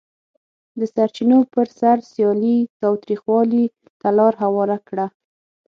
د سرچینو پر سر سیالي تاوتریخوالي ته لار هواره کړه.